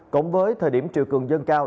cộng với thời điểm triều cường dân cao